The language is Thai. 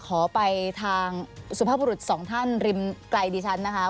ขอไปทางสุภาพบุรุษสองท่านริมไกลดิฉันนะคะ